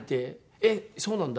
えっそうなんだ。